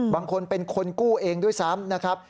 บางคนเป็นคนกู้เองด้วยซ้ำนะครับ